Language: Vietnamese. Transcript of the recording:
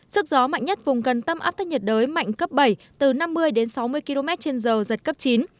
sức gió mạnh nhất vùng gần tâm áp thấp nhiệt đới mạnh cấp bảy từ năm mươi đến sáu mươi km trên giờ giật cấp chín